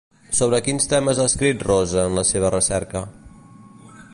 Sobre quins temes ha escrit Rosa en la seva recerca?